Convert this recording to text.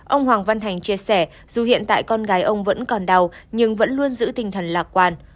ông hoàng văn thành chia sẻ dù hiện tại con gái ông vẫn còn đau nhưng vẫn luôn giữ tinh thần lạc quan